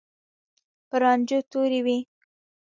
په رانجو تورې وې.